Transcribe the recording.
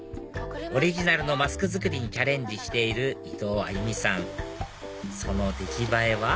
オリジナルのマスク作りにチャレンジしている伊藤歩さんその出来栄えは？